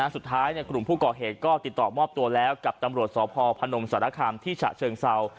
สุดท้ายกลุ่มผู้ก่อเหตุที่ตอบมอบตัวแล้วกับตำรวจสภพนศรคามถิฉะเชิงเศรา